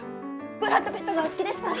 ブラッド・ピットがお好きでしたら。